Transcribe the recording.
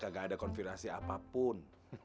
kita gak ada konfirmasi apapun